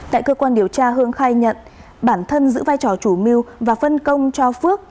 tại cơ quan điều tra hương khai nhận bản thân giữ vai trò chủ mưu và phân công cho phước